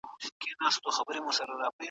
جهاني چي مي قلم دی پورته کړی